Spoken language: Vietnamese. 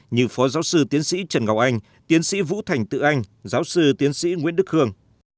như phó giáo sư tiến sĩ trần ngọc anh tiến sĩ vũ thành tự anh giáo sư tiến sĩ nguyễn đức khương